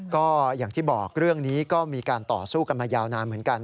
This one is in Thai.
ก็อย่างที่บอกเรื่องนี้ก็มีการต่อสู้กันมายาวนานเหมือนกัน